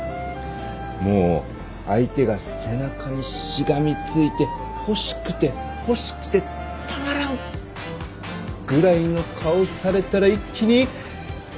もう相手が背中にしがみついて欲しくて欲しくてたまらん！ぐらいの顔されたら一気にがぶり。